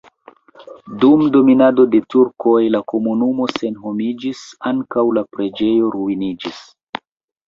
Dum dominado de turkoj la komunumo senhomiĝis, ankaŭ la preĝejo ruiniĝis.